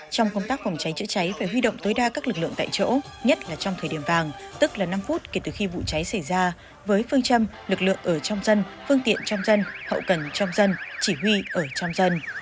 trong công tác phòng cháy chữa cháy phải huy động tối đa các lực lượng tại chỗ nhất là trong thời điểm vàng tức là năm phút kể từ khi vụ cháy xảy ra với phương châm lực lượng ở trong dân phương tiện trong dân hậu cần trong dân chỉ huy ở trong dân